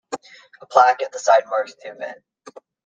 A plaque at the site marks the event.